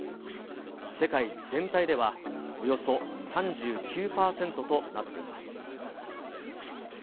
世界全体ではおよそ３９％となっています。